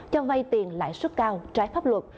cho vay tiền lãi suất cao trái pháp luật